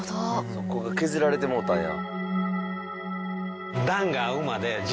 そこが削られてもうたんや。